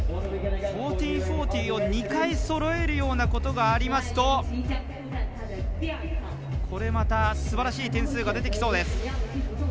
１４４０を２回そろえるようなことがありますとこれまたすばらしい点数が出てきそうです。